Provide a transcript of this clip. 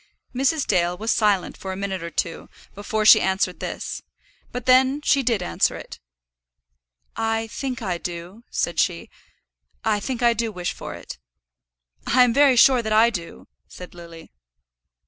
Mrs. Dale was silent for a minute or two before she answered this, but then she did answer it. "I think I do," said she. "I think I do wish for it." "I am very sure that I do," said Lily.